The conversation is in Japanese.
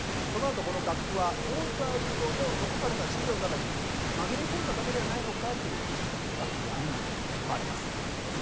そのあとこの楽譜はモーツァルトの残された資料の中に紛れ込んだだけではないのか？というふうな疑惑が生まれます。